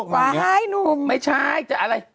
ฝาให้หนุ่มไม่ใช่จะอะไร